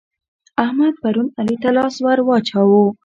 احمد پرون علي ته لاس ور واچاوو.